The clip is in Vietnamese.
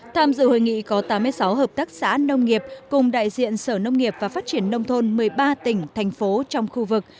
tham dự hội nghị có tám mươi sáu hợp tác xã nông nghiệp cùng đại diện sở nông nghiệp và phát triển nông thôn một mươi ba tỉnh thành phố trong khu vực